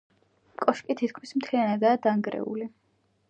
კოშკი თითქმის მთლიანადაა დანგრეული.